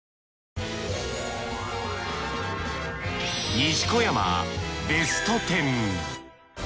西小山ベスト１０